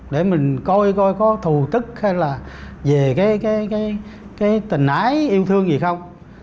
để mình coi coi có thù tức hay là về cái tình ái yêu thương gì không